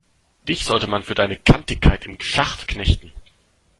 Dich sollte man für deine Kantigkeit im Schacht knechten!